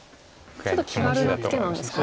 ちょっと気軽なツケなんですか？